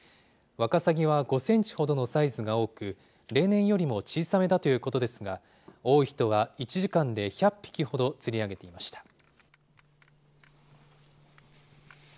ワカサギは５センチほどのサイズが多く、例年よりも小さめだということですが、多い人は１時間で１００匹ほど釣り上げていました。